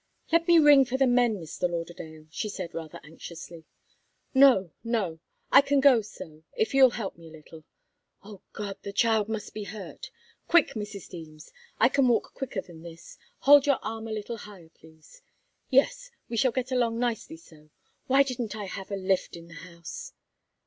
"Let me ring for the men, Mr. Lauderdale," she said, rather anxiously. "No, no! I can go so, if you'll help me a little oh, God! The child must be hurt! Quick, Mrs. Deems I can walk quicker than this hold your arm a little higher, please. Yes we shall get along nicely so why didn't I have a lift in the house!